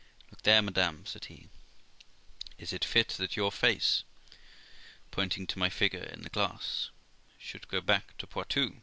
'Look there, madam', said he; 'is it fit that that face' (pointing to my figure in the glass) 'should go back to Poictou?